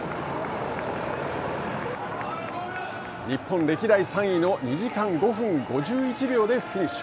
日本歴代３位の２時間５分５１秒でフィニッシュ。